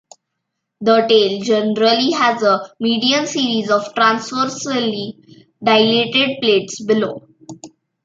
The tail generally has a median series of transversely dilated plates below.